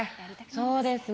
そうですね。